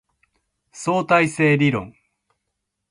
相対性理論